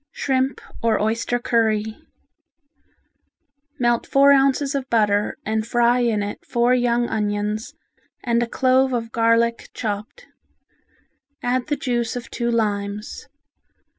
Shrimp or Oyster Curry Melt four ounces of butter and fry in it four young onions and a clove of garlic chopped. Add the juice of two limes.